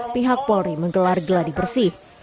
pihak polri menggelar geladi bersih